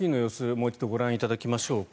もう一度ご覧いただきましょうか。